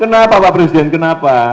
kenapa pak presiden kenapa